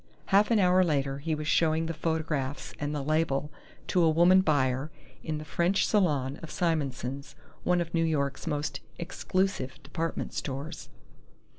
Half an hour later he was showing the photographs and the label to a woman buyer, in the French Salon of Simonson's, one of New York's most "exclusive" department stores.